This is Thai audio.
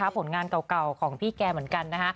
ผลงานเก่าของพี่แกเหมือนกัน